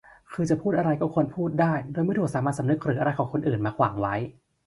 คือจะพูดอะไรก็ควรจะพูดได้ โดยไม่ถูกสามัญสำนึกหรืออะไรของใครคนอื่นมาขวางไว้